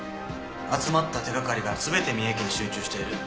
集まった手掛かりが全て三重県に集中している。